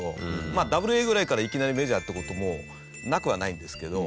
まあダブルＡぐらいからいきなりメジャーって事もなくはないんですけど。